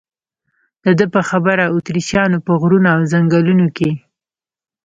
د ده په خبره اتریشیانو په غرونو او ځنګلونو کې.